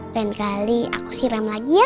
lain kali aku siram lagi ya